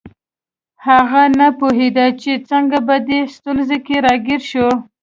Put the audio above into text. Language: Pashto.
هغه نه پوهیده چې څنګه په دې ستونزه کې راګیر شو